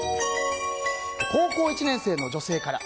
高校１年生の女性から。